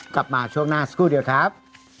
กลับมาช่วงหน้าสักครู่เดียวครับ